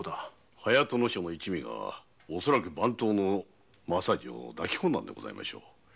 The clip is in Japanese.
隼人正の一味が番頭の政次を抱き込んだのでございましょう。